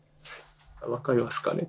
わかりますかね？